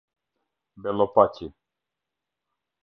Bellopaqi